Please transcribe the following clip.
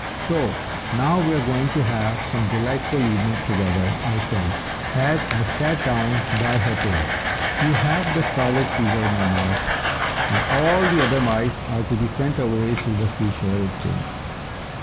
"So, now we are going to have some delightful evenings together," I said, as I sat down by her pillow. "You have the scarlet fever, my mouse, and all the other mice are to be sent away to the sea shore, it seems."